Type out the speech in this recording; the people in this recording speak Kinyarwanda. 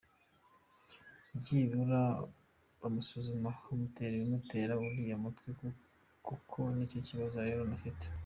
Byibura bamusuzume tumenye ikimutera uriya mutwe kuko nicyo kibazo Aaron afite.